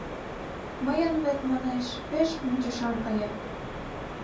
Мыйын вет, — манеш, — пеш мунчышан ыле.